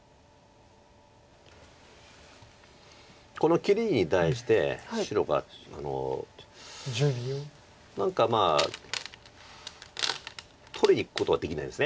この切りに対して白が何かまあ取りにいくことはできないです